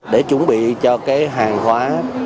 để chuẩn bị cho cái hàng hóa